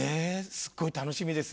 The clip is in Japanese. すっごい楽しみです